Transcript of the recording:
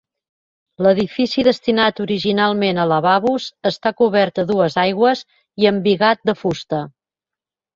L’edifici destinat originalment a lavabos està cobert a dues aigües i embigat de fusta.